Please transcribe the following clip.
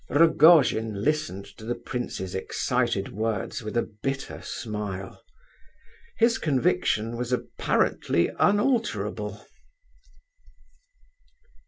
Rogojin listened to the prince's excited words with a bitter smile. His conviction was, apparently, unalterable.